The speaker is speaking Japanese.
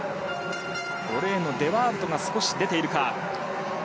５レーンのデ・ワールトが少し出ているか。